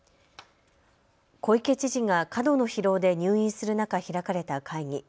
小池知事が過度の疲労で入院する中、開かれた会議。